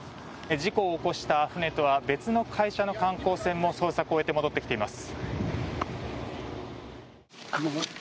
事故を起こした船とは別の会社の観光船も捜索を終えて戻ってきています。